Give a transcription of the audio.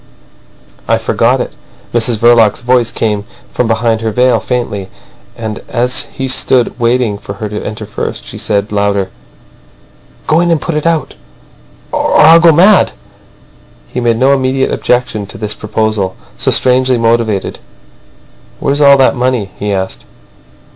"I forgot it." Mrs Verloc's voice came from behind her veil faintly. And as he stood waiting for her to enter first, she said louder: "Go in and put it out—or I'll go mad." He made no immediate objection to this proposal, so strangely motived. "Where's all that money?" he asked.